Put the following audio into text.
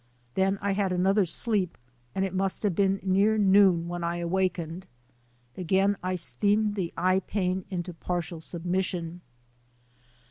Then I had another sleep, and it must have been near noon when I awakened. Again I steamed the eye pain into partial submission.